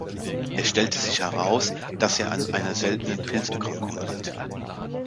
Es stellte sich heraus, dass er an einer seltenen Pilzerkrankung litt.